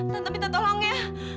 tante minta tolong ya